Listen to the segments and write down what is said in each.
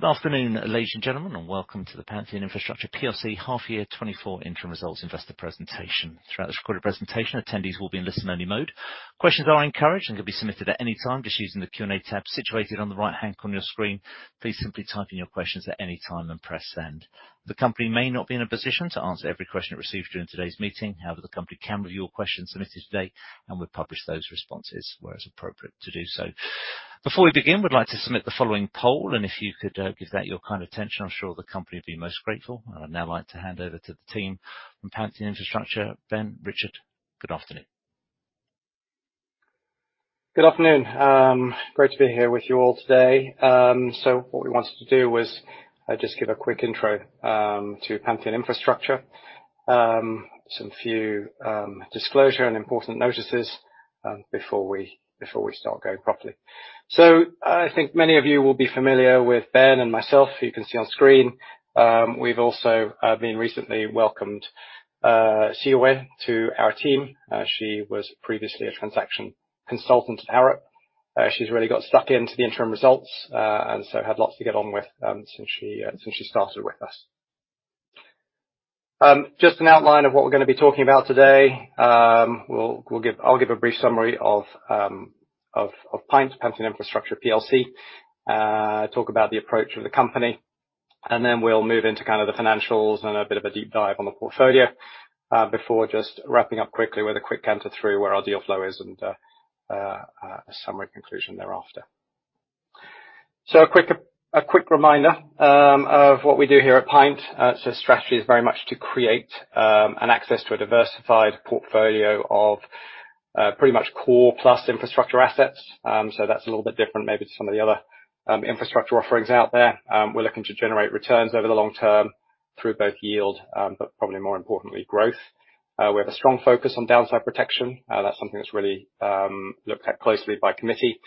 Good afternoon, ladies and gentlemen, and welcome to the Pantheon Infrastructure PLC half-year 2024 Interim Results Investor presentation. Throughout this recorded presentation, attendees will be in listen-only mode. Questions are encouraged and can be submitted at any time just using the Q&A tab situated on the right-hand corner of your screen. Please simply type in your questions at any time and press send. The company may not be in a position to answer every question it receives during today's meeting. However, the company can review your questions submitted today, and we'll publish those responses where it's appropriate to do so. Before we begin, we'd like to submit the following poll, and if you could, give that your kind attention, I'm sure the company will be most grateful. I would now like to hand over to the team from Pantheon Infrastructure. Ben, Richard, good afternoon. Good afternoon. Great to be here with you all today. So what we wanted to do was just give a quick intro to Pantheon Infrastructure. Some few disclosure and important notices before we start going properly. So I think many of you will be familiar with Ben and myself, you can see on screen. We've also been recently welcomed Xiyue to our team. She was previously a transaction consultant at Arup. She's really got stuck into the interim results and so had lots to get on with since she started with us. Just an outline of what we're gonna be talking about today. I'll give a brief summary of PINT, Pantheon Infrastructure PLC. Talk about the approach of the company, and then we'll move into kind of the financials and a bit of a deep dive on the portfolio, before just wrapping up quickly with a quick canter through where our deal flow is and a summary conclusion thereafter. So a quick reminder of what we do here at PINT. So strategy is very much to create an access to a diversified portfolio of pretty much core plus infrastructure assets. So that's a little bit different maybe to some of the other infrastructure offerings out there. We're looking to generate returns over the long term through both yield, but probably more importantly, growth. We have a strong focus on downside protection. That's something that's really looked at closely by committee.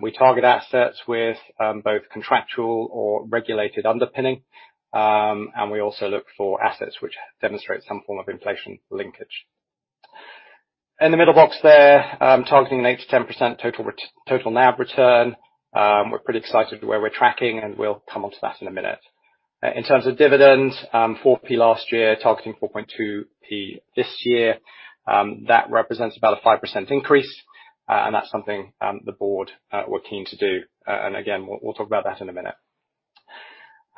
We target assets with both contractual or regulated underpinning. And we also look for assets which demonstrate some form of inflation linkage. In the middle box there, targeting an 8%-10% total NAV return. We're pretty excited where we're tracking, and we'll come onto that in a minute. In terms of dividends, 0.04 last year, targeting 0.042 this year. That represents about a 5% increase, and that's something the board were keen to do. And again, we'll talk about that in a minute.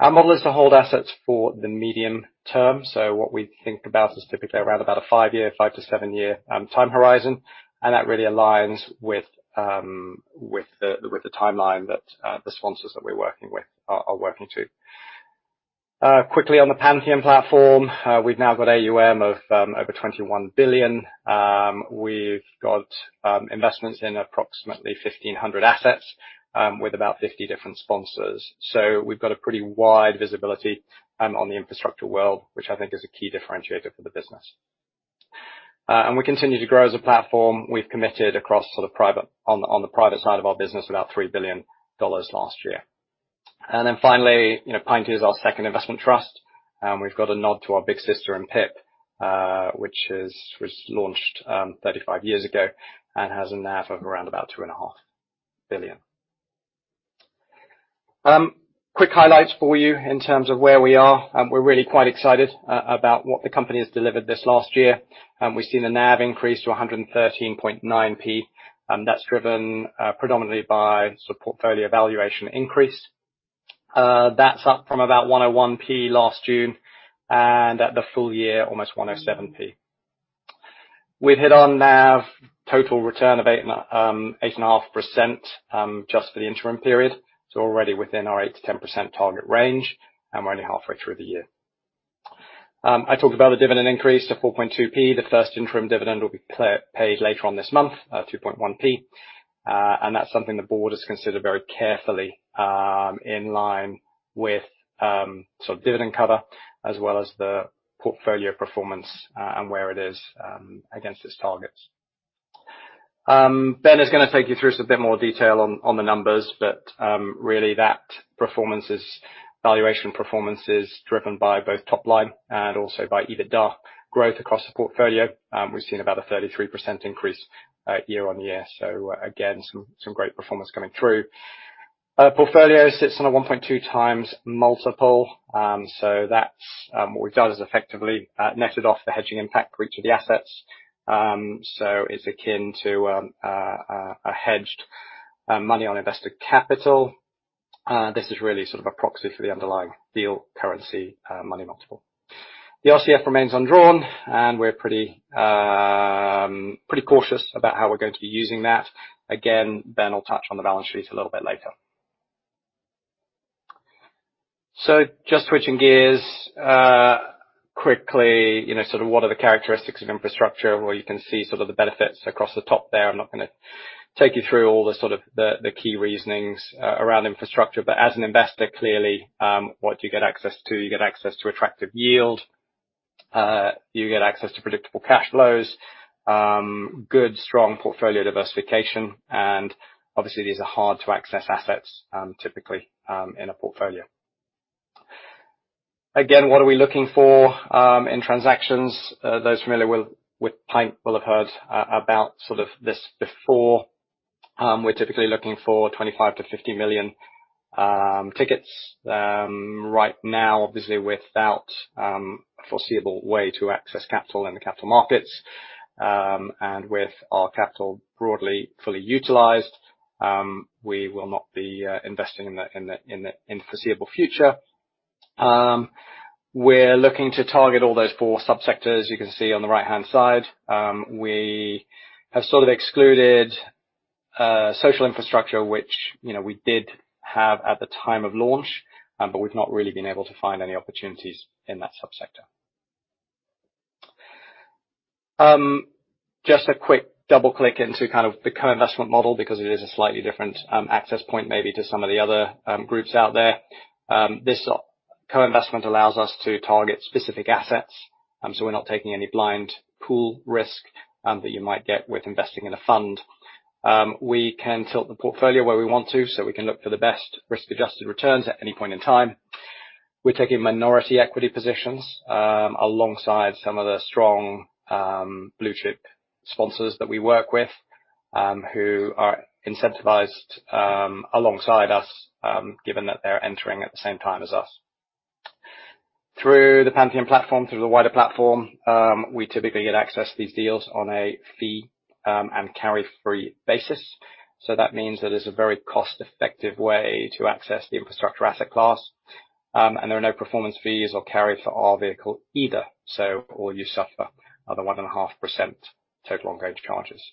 Our model is to hold assets for the medium term, so what we think about is typically around about a five-year, five- to seven-year time horizon, and that really aligns with the timeline that the sponsors that we're working with are working to. Quickly on the Pantheon platform, we've now got AUM of over $21 billion. We've got investments in approximately 1,500 assets with about 50 different sponsors. So we've got a pretty wide visibility on the infrastructure world, which I think is a key differentiator for the business. And we continue to grow as a platform. We've committed across the private side of our business about $3 billion last year. And then finally, you know, PINT is our second investment trust, and we've got a nod to our big sister in PIP, which is, was launched, 35 years ago and has a NAV of around about 2.5 billion. Quick highlights for you in terms of where we are, and we're really quite excited about what the company has delivered this last year. We've seen a NAV increase to 113.9p, and that's driven, predominantly by sort of portfolio valuation increase. That's up from about 101p last June, and at the full year, almost 107p. We've hit on NAV total return of 8.5%, just for the interim period. Already within our 8%-10% target range, and we're only halfway through the year. I talked about the dividend increase to 4.2p. The first interim dividend will be paid later on this month, 2.1p. And that's something the board has considered very carefully, in line with sort of dividend cover, as well as the portfolio performance, and where it is against its targets. Ben is gonna take you through some bit more detail on the numbers, but really that performance valuation performance is driven by both top line and also by EBITDA. Growth across the portfolio, we've seen about a 33% increase year-on-year. Again, some great performance coming through. Portfolio sits on a 1.2 times multiple. So that's what we've done is effectively netted off the hedging impact for each of the assets. So it's akin to a hedged money on invested capital. This is really sort of a proxy for the underlying deal currency money multiple. The RCF remains undrawn, and we're pretty cautious about how we're going to be using that. Again, Ben will touch on the balance sheet a little bit later. So just switching gears quickly, you know, sort of what are the characteristics of infrastructure, where you can see sort of the benefits across the top there? I'm not gonna take you through all the sort of key reasonings around infrastructure, but as an investor, clearly, what you get access to, you get access to attractive yield, you get access to predictable cash flows, good, strong portfolio diversification, and obviously, these are hard-to-access assets, typically, in a portfolio. Again, what are we looking for in transactions? Those familiar with PINT will have heard about sort of this before. We're typically looking for 25 million-50 million tickets. Right now, obviously, without a foreseeable way to access capital in the capital markets, and with our capital broadly fully utilized, we will not be investing in the foreseeable future. We're looking to target all those four sub-sectors you can see on the right-hand side. We have sort of excluded social infrastructure, which, you know, we did have at the time of launch, but we've not really been able to find any opportunities in that sub-sector. Just a quick double-click into kind of the co-investment model, because it is a slightly different access point, maybe, to some of the other groups out there. This co-investment allows us to target specific assets, so we're not taking any blind pool risk that you might get with investing in a fund. We can tilt the portfolio where we want to, so we can look for the best risk-adjusted returns at any point in time. We're taking minority equity positions alongside some of the strong blue chip sponsors that we work with, who are incentivized alongside us given that they're entering at the same time as us. Through the Pantheon platform, through the wider platform, we typically get access to these deals on a fee and carry-free basis. So that means that it's a very cost-effective way to access the infrastructure asset class, and there are no performance fees or carry for our vehicle either, so all you suffer are the 1.5% total expense charges,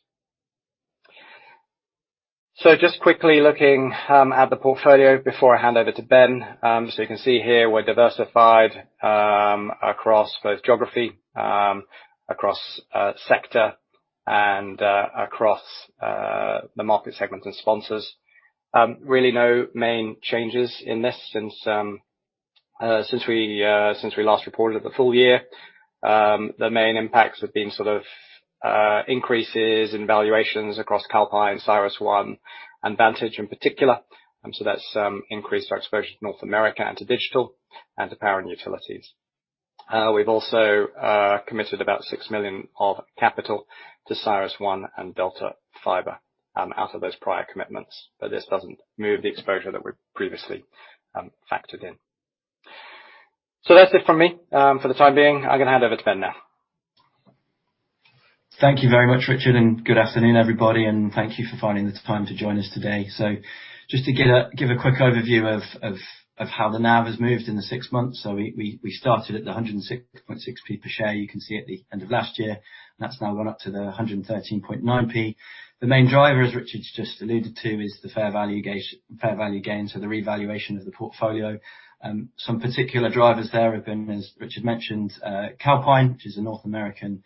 so just quickly looking at the portfolio before I hand over to Ben, so you can see here we're diversified across both geography, across sector, and across the market segments and sponsors. Really no main changes in this since we last reported at the full year. The main impacts have been sort of increases in valuations across Calpine, CyrusOne, and Vantage in particular. And so that's increased our exposure to North America and to digital and to power and utilities. We've also committed about 6 million of capital to CyrusOne and Delta Fiber out of those prior commitments, but this doesn't move the exposure that we've previously factored in. So that's it from me. For the time being, I'm gonna hand over to Ben now. Thank you very much, Richard, and good afternoon, everybody, and thank you for finding the time to join us today. So just to give a quick overview of how the NAV has moved in the six months. So we started at 106.6p per share you can see at the end of last year. That's now gone up to 113.9p. The main driver, as Richard's just alluded to, is the fair value gain, fair value gains, so the revaluation of the portfolio. Some particular drivers there have been, as Richard mentioned, Calpine, which is a North American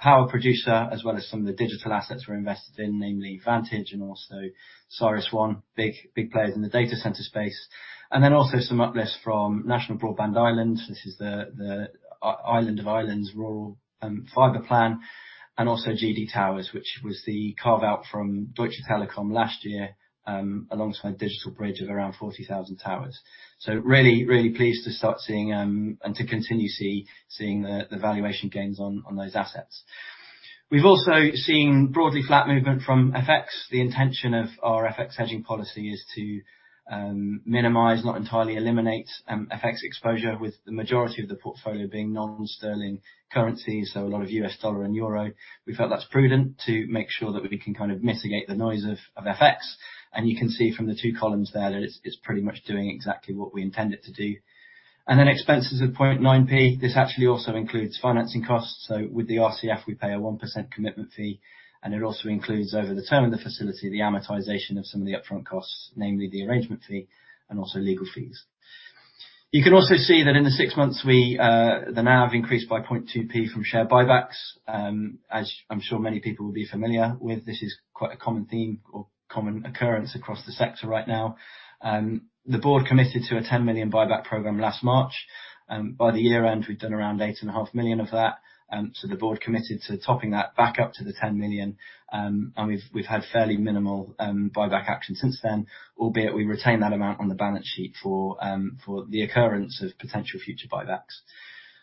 power producer, as well as some of the digital assets we're invested in, namely Vantage and also CyrusOne, big, big players in the data center space. And then also some uplifts from National Broadband Ireland. This is the island of Ireland's rural fiber plan, and also GD Towers, which was the carve-out from Deutsche Telekom last year, alongside DigitalBridge of around 40,000 towers. So really, really pleased to start seeing and to continue seeing the valuation gains on those assets. We've also seen broadly flat movement from FX. The intention of our FX hedging policy is to minimize, not entirely eliminate, FX exposure, with the majority of the portfolio being non-sterling currency, so a lot of US dollar and euro. We felt that's prudent to make sure that we can kind of mitigate the noise of FX. And you can see from the two columns there that it's pretty much doing exactly what we intend it to do. And then expenses of 0.9p. This actually also includes financing costs. So with the RCF, we pay a 1% commitment fee, and it also includes, over the term of the facility, the amortization of some of the upfront costs, namely the arrangement fee and also legal fees. You can also see that in the six months, we, the NAV increased by 0.2p from share buybacks. As I'm sure many people will be familiar with, this is quite a common theme or common occurrence across the sector right now. The board committed to a 10 million buyback program last March. By the year end, we've done around 8.5 million of that. The board committed to topping that back up to 10 million, and we've had fairly minimal buyback action since then, albeit we retain that amount on the balance sheet for the occurrence of potential future buybacks.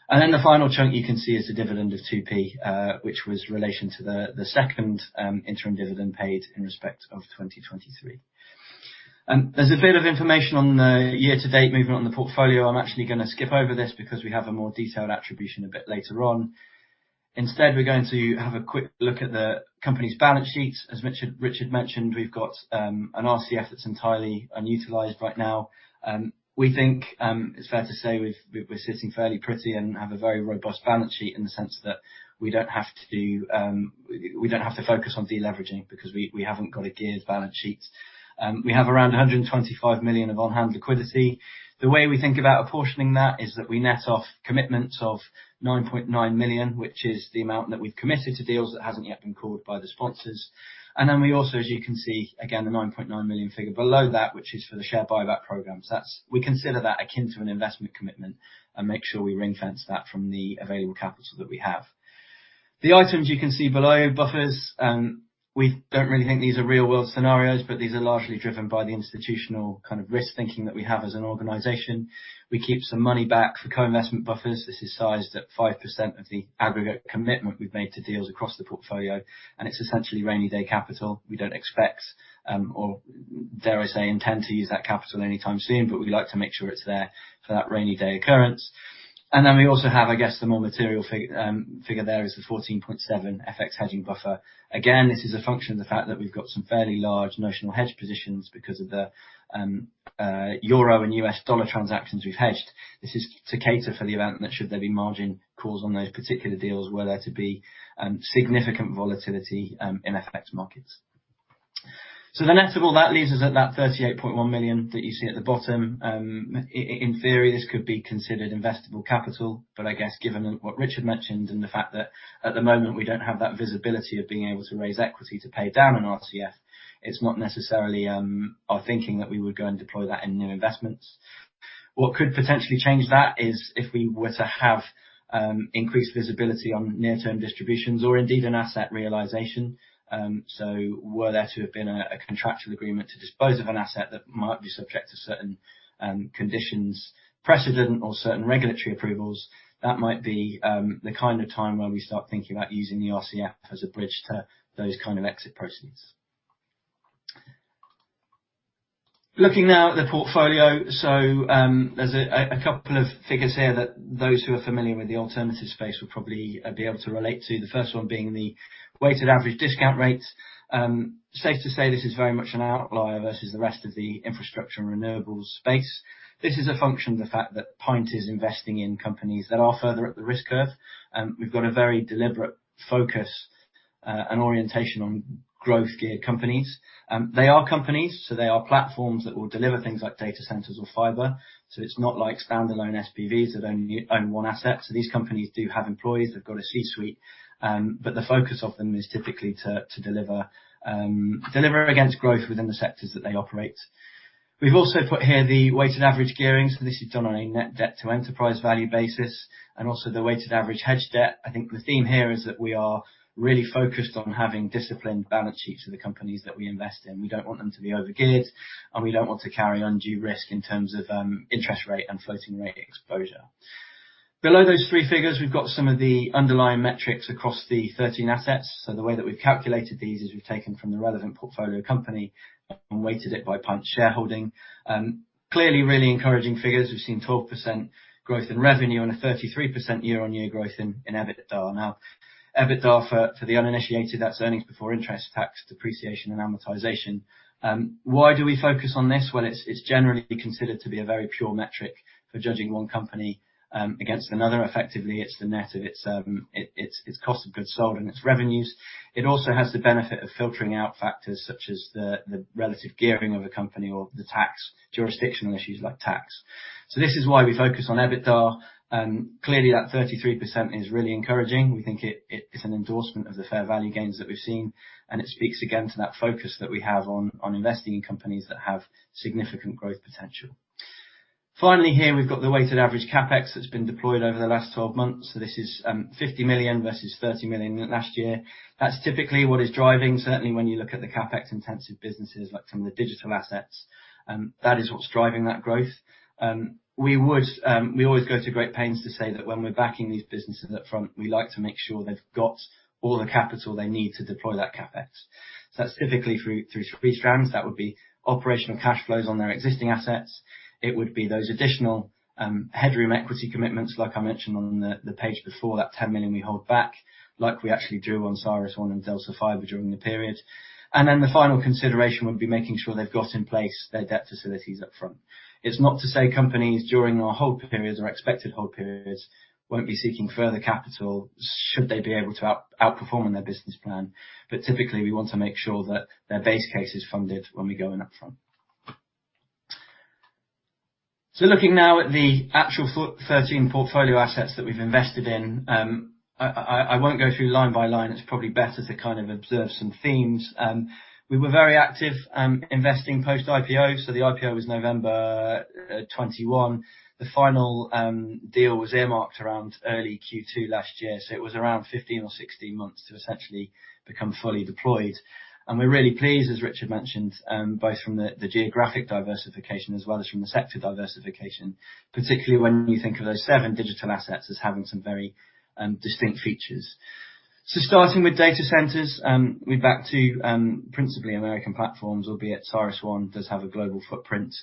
The final chunk you can see is the dividend of 2p, which was in relation to the second interim dividend paid in respect of 2023. There's a bit of information on the year-to-date movement on the portfolio. I'm actually gonna skip over this because we have a more detailed attribution a bit later on. Instead, we're going to have a quick look at the company's balance sheet. As Richard mentioned, we've got an RCF that's entirely unutilized right now. We think it's fair to say we're sitting fairly pretty and have a very robust balance sheet in the sense that we don't have to do. We don't have to focus on deleveraging because we haven't got a geared balance sheet. We have around 125 million of on-hand liquidity. The way we think about apportioning that is that we net off commitments of 9.9 million, which is the amount that we've committed to deals that hasn't yet been called by the sponsors. And then we also, as you can see, again, the 9.9 million figure below that, which is for the share buyback program. So that's we consider that akin to an investment commitment and make sure we ring-fence that from the available capital that we have. The items you can see below buffers, we don't really think these are real-world scenarios, but these are largely driven by the institutional kind of risk thinking that we have as an organization. We keep some money back for co-investment buffers. This is sized at 5% of the aggregate commitment we've made to deals across the portfolio, and it's essentially rainy day capital. We don't expect, or dare I say, intend to use that capital anytime soon, but we like to make sure it's there for that rainy day occurrence. And then we also have, I guess, the more material figure there is the 14.7 FX hedging buffer. Again, this is a function of the fact that we've got some fairly large notional hedge positions because of the euro and U.S. dollar transactions we've hedged. This is to cater for the event that should there be margin calls on those particular deals, were there to be, significant volatility, in FX markets. So then after all, that leaves us at that 38.1 million that you see at the bottom. In theory, this could be considered investable capital, but I guess given what Richard mentioned and the fact that at the moment we don't have that visibility of being able to raise equity to pay down an RCF, it's not necessarily, our thinking that we would go and deploy that in new investments. What could potentially change that is if we were to have, increased visibility on near-term distributions or indeed an asset realization. So were there to have been a contractual agreement to dispose of an asset that might be subject to certain conditions precedent or certain regulatory approvals, that might be the kind of time where we start thinking about using the RCF as a bridge to those kind of exit proceeds. Looking now at the portfolio. So, there's a couple of figures here that those who are familiar with the alternative space will probably be able to relate to, the first one being the weighted average discount rates. Safe to say this is very much an outlier versus the rest of the infrastructure and renewables space. This is a function of the fact that PINT is investing in companies that are further up the risk curve. We've got a very deliberate focus and orientation on growth-geared companies. They are companies, so they are platforms that will deliver things like data centers or fiber. So it's not like standalone SPVs that only own one asset. So these companies do have employees. They've got a C-suite, but the focus of them is typically to deliver against growth within the sectors that they operate. We've also put here the weighted average gearing, so this is done on a net debt to enterprise value basis, and also the weighted average hedged debt. I think the theme here is that we are really focused on having disciplined balance sheets of the companies that we invest in. We don't want them to be over-geared, and we don't want to carry undue risk in terms of interest rate and floating rate exposure. Below those three figures, we've got some of the underlying metrics across the 13 assets. The way that we've calculated these is we've taken from the relevant portfolio company and weighted it by PINT shareholding. Clearly really encouraging figures. We've seen 12% growth in revenue and a 33% year-on-year growth in EBITDA. Now, EBITDA, for the uninitiated, that's earnings before interest, tax, depreciation, and amortization. Why do we focus on this? It's generally considered to be a very pure metric for judging one company against another. Effectively, it's the net of its cost of goods sold and its revenues. It also has the benefit of filtering out factors such as the relative gearing of a company or the tax jurisdictional issues like tax. This is why we focus on EBITDA. Clearly, that 33% is really encouraging. We think it is an endorsement of the fair value gains that we've seen, and it speaks again to that focus that we have on investing in companies that have significant growth potential. Finally, here, we've got the weighted average CapEx that's been deployed over the last 12 months. So this is 50 million versus 30 million last year. That's typically what is driving, certainly when you look at the CapEx-intensive businesses, like some of the digital assets, that is what's driving that growth. We always go to great pains to say that when we're backing these businesses up front, we like to make sure they've got all the capital they need to deploy that CapEx. So that's typically through three strands. That would be operational cash flows on their existing assets. It would be those additional headroom equity commitments, like I mentioned on the page before, that ten million we hold back, like we actually drew on CyrusOne and Delta Fiber during the period. And then the final consideration would be making sure they've got in place their debt facilities up front. It's not to say companies, during our hold periods or expected hold periods, won't be seeking further capital should they be able to outperforming their business plan, but typically, we want to make sure that their base case is funded when we go in up front. So looking now at the actual thirteen portfolio assets that we've invested in, I won't go through line by line. It's probably better to kind of observe some themes. We were very active investing post-IPO. So the IPO was November 2021. The final deal was earmarked around early Q2 last year, so it was around 15 or 16 months to essentially become fully deployed. And we're really pleased, as Richard mentioned, both from the geographic diversification as well as from the sector diversification, particularly when you think of those seven digital assets as having some very distinct features. So starting with data centers, we're back to principally American platforms, albeit CyrusOne does have a global footprint.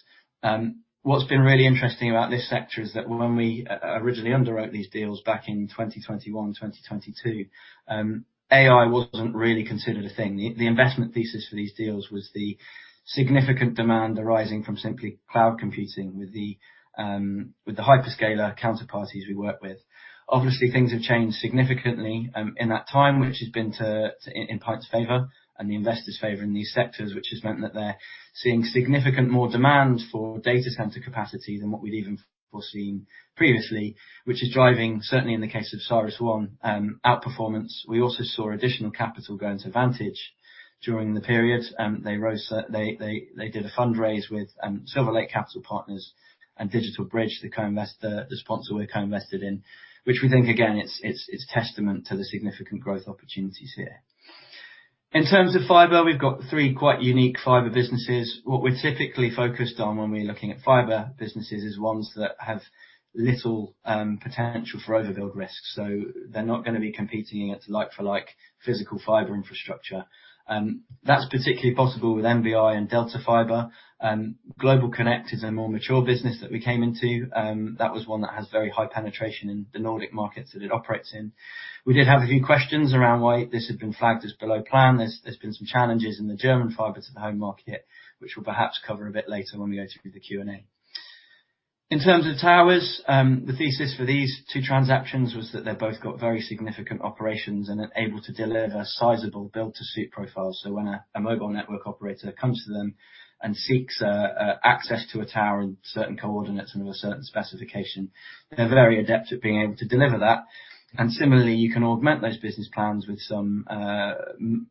What's been really interesting about this sector is that when we originally underwrote these deals back in 2021, 2022, AI wasn't really considered a thing. The investment thesis for these deals was the significant demand arising from simply cloud computing with the hyperscaler counterparties we work with. Obviously, things have changed significantly in that time, which has been to PINT's favor and the investors' favor in these sectors, which has meant that they're seeing significant more demand for data center capacity than what we'd even foreseen previously, which is driving, certainly in the case of CyrusOne, outperformance. We also saw additional capital go into Vantage during the period. They raised with Silver Lake and DigitalBridge, the co-investor, the sponsor we're co-invested in, which we think, again, it's testament to the significant growth opportunities here. In terms of fiber, we've got three quite unique fiber businesses. What we're typically focused on when we're looking at fiber businesses is ones that have little potential for overbuild risk. So they're not gonna be competing against like-for-like physical fiber infrastructure. That's particularly possible with NBI and Delta Fiber. GlobalConnect is a more mature business that we came into, that was one that has very high penetration in the Nordic markets that it operates in. We did have a few questions around why this had been flagged as below plan. There's been some challenges in the German fiber to the home market, which we'll perhaps cover a bit later when we go through the Q&A. In terms of towers, the thesis for these two transactions was that they've both got very significant operations and are able to deliver sizable build-to-suit profiles. So when a mobile network operator comes to them and seeks access to a tower in certain coordinates and with a certain specification, they're very adept at being able to deliver that. And similarly, you can augment those business plans with some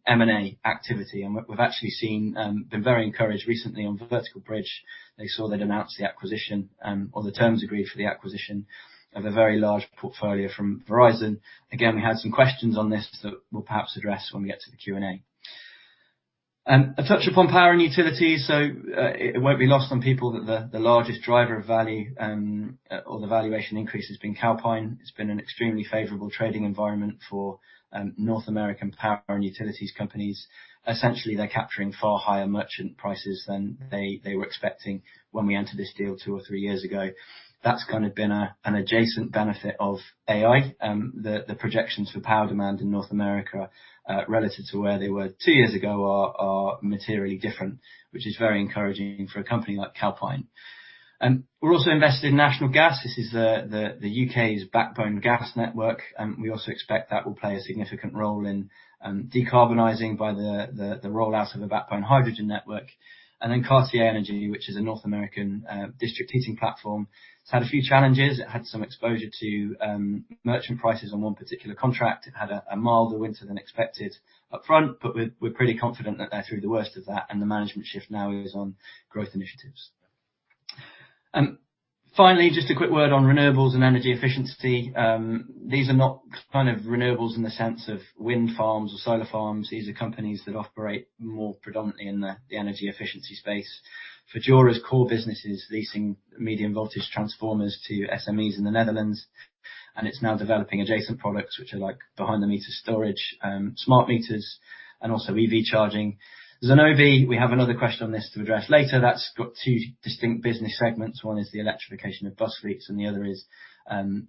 M&A activity. And we, we've actually seen been very encouraged recently on Vertical Bridge. They saw they'd announced the acquisition, or the terms agreed for the acquisition of a very large portfolio from Verizon. Again, we had some questions on this that we'll perhaps address when we get to the Q&A. A touch upon power and utilities. So, it won't be lost on people that the largest driver of value, or the valuation increase has been Calpine. It's been an extremely favorable trading environment for North American power and utilities companies. Essentially, they're capturing far higher merchant prices than they were expecting when we entered this deal two or three years ago. That's kind of been an adjacent benefit of AI, the projections for power demand in North America relative to where they were two years ago are materially different, which is very encouraging for a company like Calpine. We're also invested in National Gas. This is the U.K.'s backbone gas network, and we also expect that will play a significant role in decarbonizing by the rollout of the backbone hydrogen network. And then Cartier Energy, which is a North American district heating platform. It's had a few challenges. It had some exposure to merchant prices on one particular contract. It had a milder winter than expected upfront, but we're pretty confident that they're through the worst of that, and the management shift now is on growth initiatives. Finally, just a quick word on renewables and energy efficiency. These are not kind of renewables in the sense of wind farms or solar farms. These are companies that operate more predominantly in the energy efficiency space. Fudura's core business is leasing medium-voltage transformers to SMEs in the Netherlands, and it's now developing adjacent products, which are, like, behind-the-meter storage, smart meters, and also EV charging. Zenobē, we have another question on this to address later. That's got two distinct business segments. One is the electrification of bus fleets, and the other is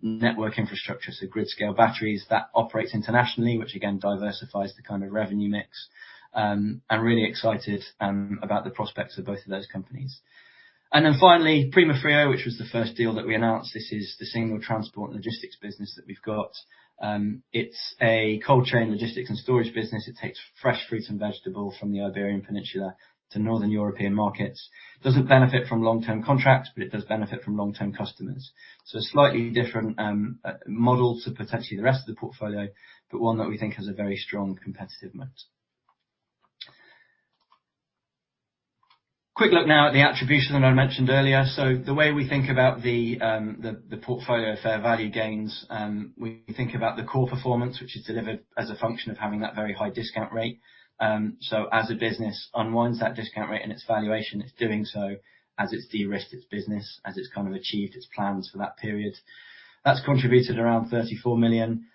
network infrastructure, so grid-scale batteries. That operates internationally, which again, diversifies the kind of revenue mix, and really excited about the prospects of both of those companies and then finally, Primafrio, which was the first deal that we announced. This is the single transport and logistics business that we've got. It's a cold chain logistics and storage business. It takes fresh fruits and vegetables from the Iberian Peninsula to northern European markets. Doesn't benefit from long-term contracts, but it does benefit from long-term customers. So slightly different model to potentially the rest of the portfolio, but one that we think has a very strong competitive moat. Quick look now at the attribution that I mentioned earlier. So the way we think about the portfolio fair value gains, we think about the core performance, which is delivered as a function of having that very high discount rate. So as a business unwinds that discount rate and its valuation, it's doing so as it's de-risked its business, as it's kind of achieved its plans for that period. That's contributed around 34 million.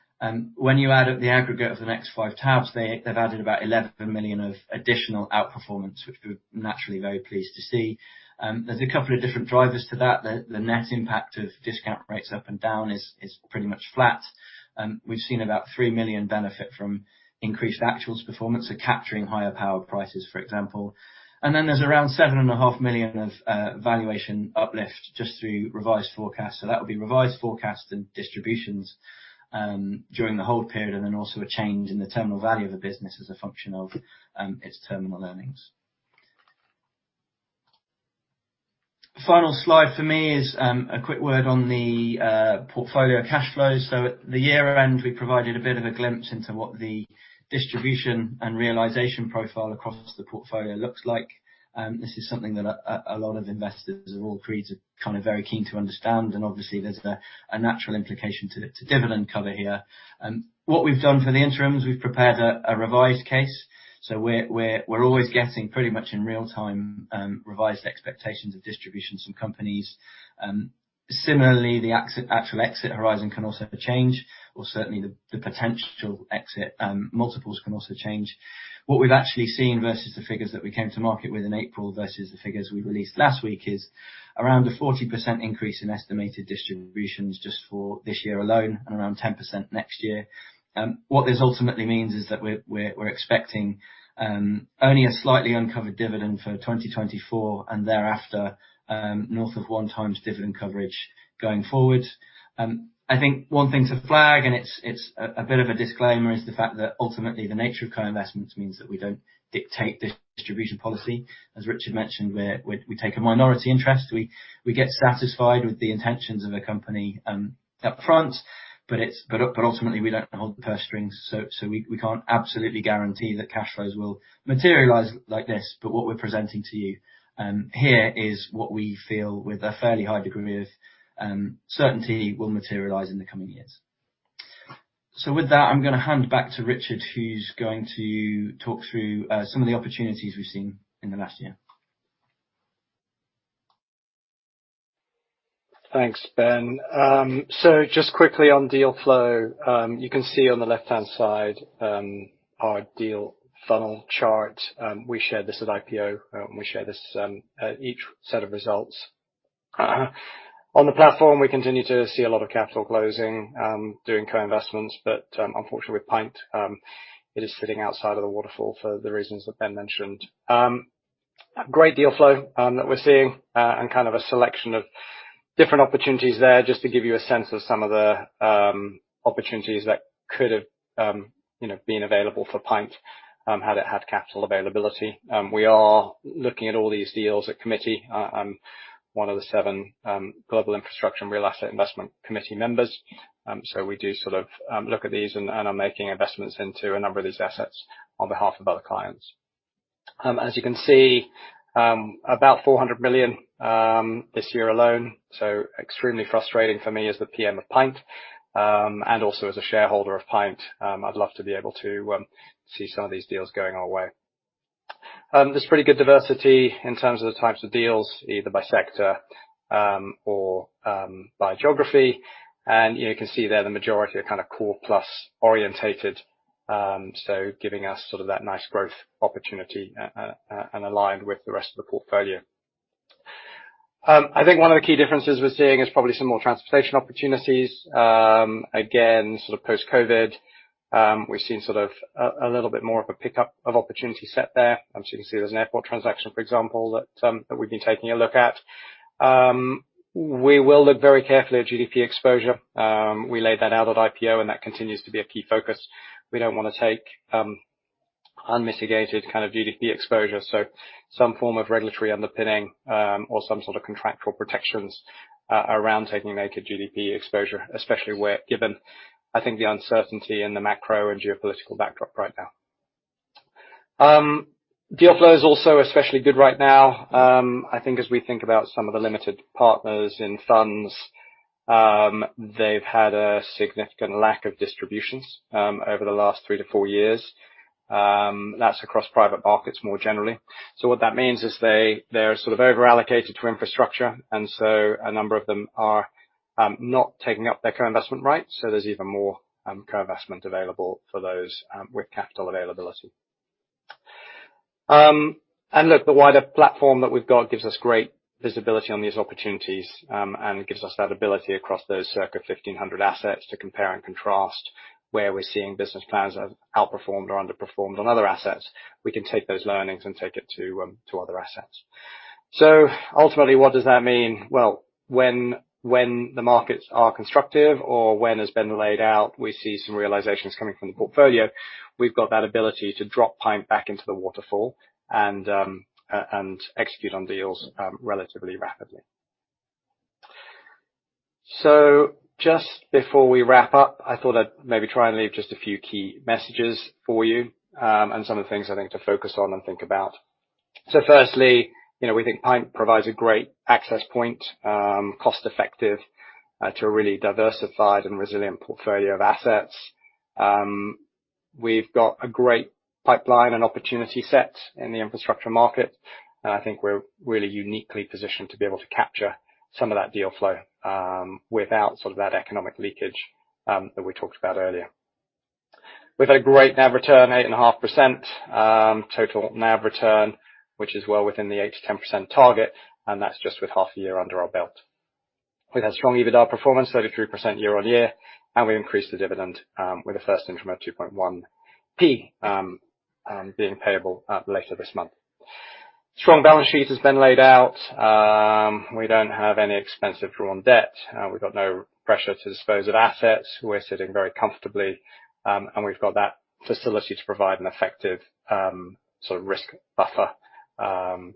When you add up the aggregate of the next five tabs, they've added about 11 million of additional outperformance, which we're naturally very pleased to see. There's a couple of different drivers to that. The net impact of discount rates up and down is pretty much flat. We've seen about 3 million benefit from increased actuals performance, so capturing higher power prices, for example. And then there's around 7.5 million of valuation uplift just through revised forecast. So that would be revised forecast and distributions during the hold period, and then also a change in the terminal value of the business as a function of its terminal earnings. The final slide for me is a quick word on the portfolio cash flows. So at the year-end, we provided a bit of a glimpse into what the distribution and realization profile across the portfolio looks like. This is something that a lot of investors are all pretty, kind of very keen to understand, and obviously, there's a natural implication to the dividend cover here. What we've done for the interim is we've prepared a revised case, so we're always getting pretty much in real time revised expectations of distributions from companies. Similarly, the actual exit horizon can also change, or certainly, the potential exit multiples can also change. What we've actually seen versus the figures that we came to market with in April versus the figures we released last week is around a 40% increase in estimated distributions just for this year alone, and around 10% next year. What this ultimately means is that we're expecting only a slightly uncovered dividend for 2024, and thereafter north of one times dividend coverage going forward. I think one thing to flag, and it's a bit of a disclaimer, is the fact that ultimately the nature of co-investments means that we don't dictate the distribution policy. As Richard mentioned, we take a minority interest. We get satisfied with the intentions of a company up front, but ultimately, we don't hold the purse strings, so we can't absolutely guarantee that cash flows will materialize like this. But what we're presenting to you here is what we feel with a fairly high degree of certainty will materialize in the coming years.... So with that, I'm gonna hand back to Richard, who's going to talk through some of the opportunities we've seen in the last year. Thanks, Ben. So just quickly on deal flow, you can see on the left-hand side, our deal funnel chart. We shared this at IPO, and we share this, at each set of results. On the platform, we continue to see a lot of capital closing, doing co-investments, but, unfortunately, with PINT, it is sitting outside of the waterfall for the reasons that Ben mentioned. Great deal flow, that we're seeing, and kind of a selection of different opportunities there, just to give you a sense of some of the, opportunities that could have, you know, been available for PINT, had it had capital availability. We are looking at all these deals at committee. I'm one of the seven, Global Infrastructure and Real Asset Investment Committee members. We do sort of look at these and are making investments into a number of these assets on behalf of other clients. As you can see, about 400 million this year alone, so extremely frustrating for me as the PM of PINT, and also as a shareholder of PINT. I'd love to be able to see some of these deals going our way. There's pretty good diversity in terms of the types of deals, either by sector or by geography. And you can see there, the majority are kind of Core-Plus oriented, so giving us sort of that nice growth opportunity and aligned with the rest of the portfolio. I think one of the key differences we're seeing is probably some more transportation opportunities. Again, sort of post-COVID, we've seen sort of a little bit more of a pickup of opportunity set there. So you can see there's an airport transaction, for example, that we've been taking a look at. We will look very carefully at GDP exposure. We laid that out at IPO, and that continues to be a key focus. We don't wanna take unmitigated kind of GDP exposure, so some form of regulatory underpinning or some sort of contractual protections around taking naked GDP exposure, especially, given, I think, the uncertainty in the macro and geopolitical backdrop right now. Deal flow is also especially good right now. I think as we think about some of the limited partners in funds, they've had a significant lack of distributions over the last three to four years. That's across private markets more generally. So what that means is they, they're sort of over-allocated to infrastructure, and so a number of them are not taking up their co-investment rights, so there's even more co-investment available for those with capital availability. And look, the wider platform that we've got gives us great visibility on these opportunities, and gives us that ability across those circa 1,500 assets to compare and contrast where we're seeing business plans have outperformed or underperformed on other assets. We can take those learnings and take it to other assets. So ultimately, what does that mean? When the markets are constructive or when, as Ben laid out, we see some realizations coming from the portfolio, we've got that ability to drop PINT back into the waterfall and execute on deals relatively rapidly. Just before we wrap up, I thought I'd maybe try and leave just a few key messages for you, and some of the things I think to focus on and think about. Firstly, you know, we think PINT provides a great access point, cost-effective, to a really diversified and resilient portfolio of assets. We've got a great pipeline and opportunity set in the infrastructure market, and I think we're really uniquely positioned to be able to capture some of that deal flow, without sort of that economic leakage, that we talked about earlier. We've a great NAV return, 8.5%, total NAV return, which is well within the 8%-10% target, and that's just with half a year under our belt. We've had strong EBITDA performance, 33% year-on-year, and we've increased the dividend, with the first interim at 2.1p, being payable, later this month. Strong balance sheet has been laid out. We don't have any expensive drawn debt, we've got no pressure to dispose of assets. We're sitting very comfortably, and we've got that facility to provide an effective, sort of risk buffer,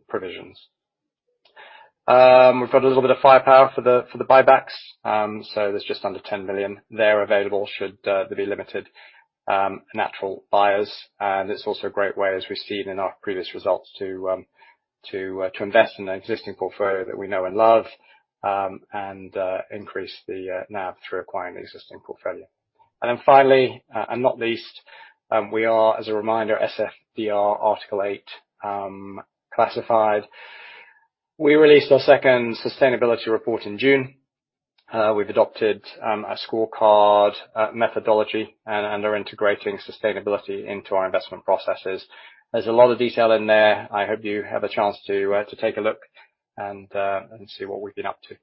provisions. We've got a little bit of firepower for the buybacks. So there's just under 10 million there available, should there be limited natural buyers. And it's also a great way, as we've seen in our previous results, to invest in an existing portfolio that we know and love, and increase the NAV through acquiring the existing portfolio. And then finally and not least, we are, as a reminder, SFDR Article 8 classified. We released our second sustainability report in June. We've adopted a scorecard methodology and are integrating sustainability into our investment processes. There's a lot of detail in there. I hope you have a chance to take a look and see what we've been up to.